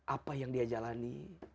apa yang dia jalani